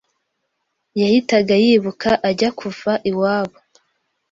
Yahitaga yibuka ajya kuva iwabo,